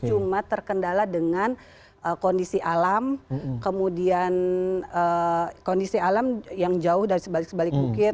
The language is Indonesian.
cuma terkendala dengan kondisi alam kemudian kondisi alam yang jauh dari sebalik sebalik bukit